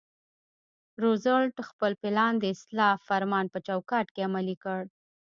روزولټ خپل پلان د اصلاح فرمان په چوکاټ کې عملي کړ.